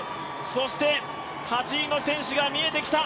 そして８位の選手が見えてきた。